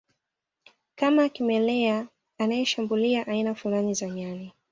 kama kimelea anayeshambulia aina fulani za nyani